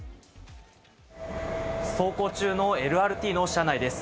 走行中のＬＲＴの車内です。